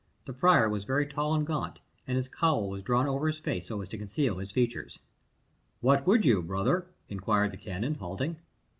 The friar was very tall and gaunt, and his cowl was drawn over his face so as to conceal his features. "What would you, brother?" inquired the canon, halting.